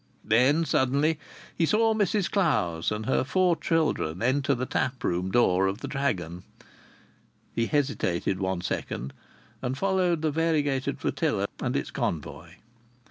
Then suddenly he saw Mrs Clowes and her four children enter the tap room door of the Dragon. He hesitated one second and followed the variegated flotilla and its convoy.